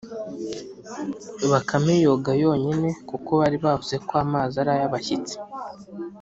Bakame yoga yonyine kuko bari bavuze ko amazi ari ay'abashyitsi,